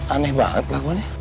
aneh banget laguannya